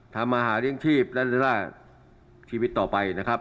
ทำมาหาเลี้ยงชีพและชีวิตต่อไปนะครับ